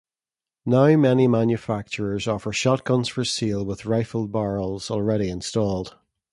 Now many manufacturers offer shotguns for sale with rifled barrels already installed.